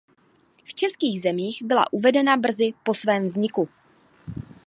V českých zemích byla uvedena brzy po svém vzniku.